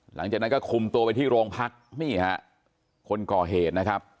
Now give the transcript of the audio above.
หลังจากนั้นก็คุมตัวไปที่โรงพักนี่ฮะคนก่อเหตุนะครับ